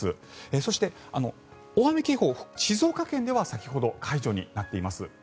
そして、大雨警報、静岡県では先ほど解除になっています。